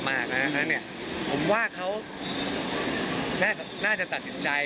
เพราะฉะนั้นเนี่ยผมว่าเขาน่าจะตัดสินใจ